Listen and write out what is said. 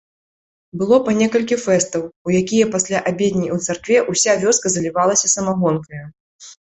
Было па некалькі фэстаў, у якія пасля абедні ў царкве ўся вёска залівалася самагонкаю.